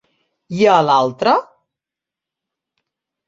I a l'altra?